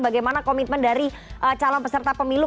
bagaimana komitmen dari calon peserta pemilu